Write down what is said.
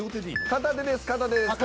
片手です。